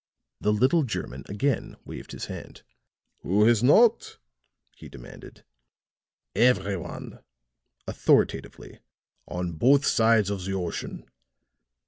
The little German again waved his hand. "Who has not?" he demanded. "Every one," authoritatively, "on both sides of the ocean.